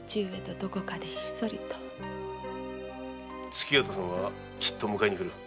月形さんはきっと迎えに来る。